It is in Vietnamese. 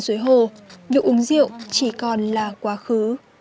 uống rượu chỉ còn là quá khứ